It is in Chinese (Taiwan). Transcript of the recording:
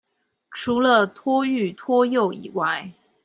除了托育、托幼以外